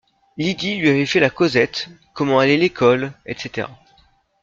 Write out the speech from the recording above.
Lydie lui avait fait la causette, comment allait l’école, etc.